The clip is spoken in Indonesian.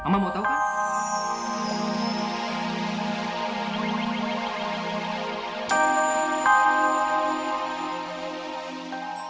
ma mau tau kan